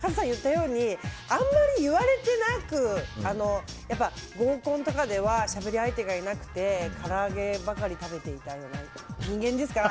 言われたらうれしいですけどカズさんが言ったようにあんまり言われてなく合コンとかではしゃべり相手がいなくてから揚げばかり食べていたような人間ですから。